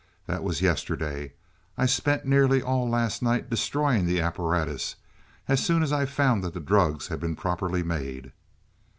"That was yesterday; I spent nearly all last night destroying the apparatus, as soon as I found that the drugs had been properly made."